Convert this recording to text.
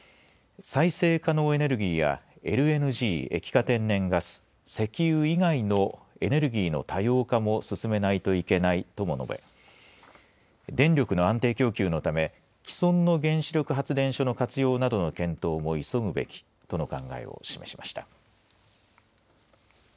再生可能エネルギーやＬＮＧ、液化天然ガス石油以外のエネルギーの多様化も進めないといけないとも述べ電力の安定供給のため既存の原子力発電所の活用などの検討も急ぐべきとの考えを示しました。